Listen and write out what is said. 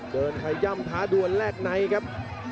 เดินขยัมท้าดวนแลกไหนครับ